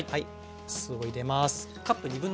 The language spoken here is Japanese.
お酢を入れます。